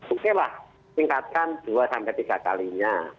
oke lah tingkatkan dua sampai tiga kalinya